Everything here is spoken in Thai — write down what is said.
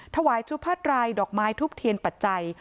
ถวายชุดผ้ารายดอกไม้ทุบเทียนปัจจัย